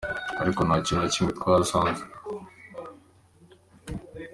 Ariko nta kintu na kimwe twahasanze.